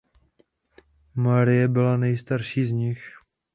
Marie byla nejstarší z nich.